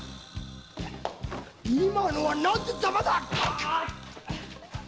今のは何てザマだっ！